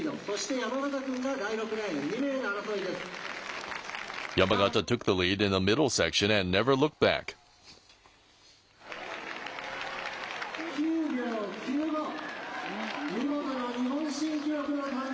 山縣君が第６レーン、２名の争いです。